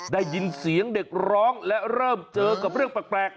ได้ยินเสียงเด็กร้องและเริ่มเจอกับเรื่องแปลก